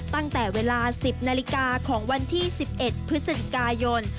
ตั้งแต่เวลา๑๐นาฬิกาของวันที่๑๑พฤศจิกายน